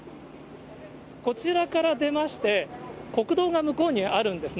こちらから出まして、国道が向こうにあるんですね。